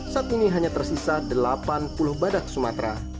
saat ini hanya tersisa delapan puluh badak sumatera